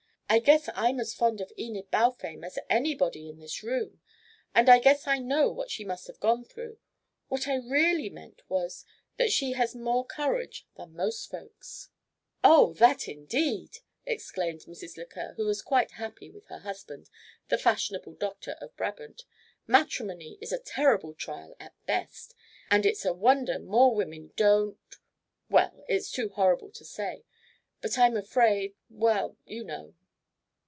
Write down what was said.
"I guess I'm as fond of Enid Balfame as anybody in this room, and I guess I know what she must have gone through. What I really meant was that she has more courage than most folks." "Oh, that indeed!" exclaimed Mrs. Lequer, who was quite happy with her husband, the fashionable doctor of Brabant. "Matrimony is a terrible trial at best, and it's a wonder more women don't well, it's too horrible to say. But I'm afraid well, you know."